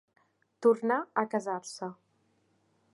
Tornà a casar-se.